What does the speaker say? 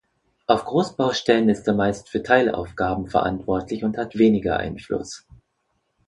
Auf Großbaustellen ist er meist für Teilaufgaben verantwortlich und hat weniger Einfluss.